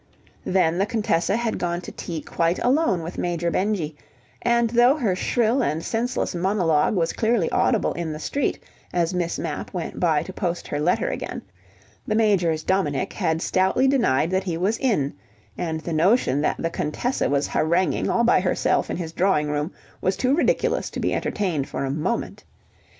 ... Then the Contessa had gone to tea quite alone with Major Benjy, and though her shrill and senseless monologue was clearly audible in the street as Miss Mapp went by to post her letter again, the Major's Dominic had stoutly denied that he was in, and the notion that the Contessa was haranguing all by herself in his drawing room was too ridiculous to be entertained for a moment.